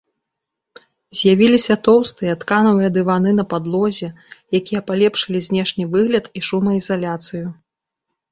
З'явіліся тоўстыя тканкавыя дываны на падлозе, якія палепшылі знешні выгляд і шумаізаляцыю.